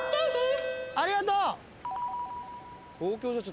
ありがとう。